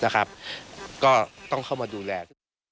ก็ต้องเข้ามาดูแล